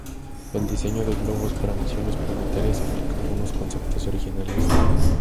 El diseño de globos para misiones planetarias implica algunos conceptos originales.